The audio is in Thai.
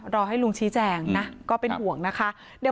รอให้ลุงชี้แจงนะก็เป็นห่วงนะคะ